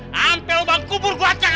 sampe ubang kubur gua ancak ancak lo